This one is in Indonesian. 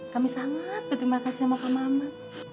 kami sangat berterima kasih sama pak maman